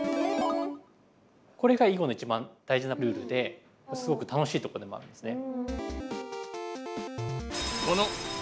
これが囲碁の一番大事なルールですごく楽しいとこでもあるんですね。